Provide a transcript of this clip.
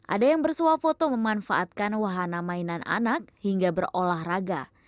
ada yang bersuah foto memanfaatkan wahana mainan anak hingga berolahraga